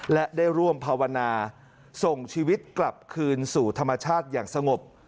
และได้ร่วมภาวนาส่งชีวิตกลับคืนสู่ธรรมชาติอย่างสงบ